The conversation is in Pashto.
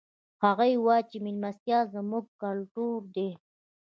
هغوی وایي چې مېلمستیا زموږ کلتور ده